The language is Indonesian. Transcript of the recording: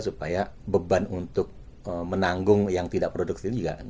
supaya beban untuk menanggung yang tidak produktif ini juga tidak besar